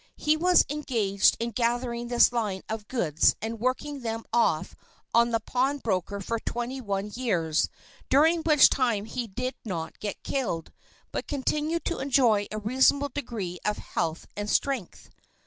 He was engaged in gathering this line of goods and working them off on the pawnbroker for twenty one years, during which time he did not get killed, but continued to enjoy a reasonable degree of health and strength.